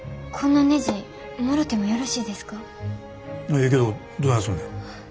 ええけどどないすんねん。